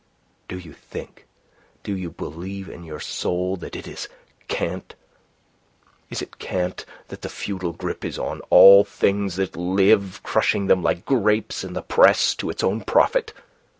Do you think do you believe in your soul that it is cant? Is it cant that the feudal grip is on all things that live, crushing them like grapes in the press, to its own profit?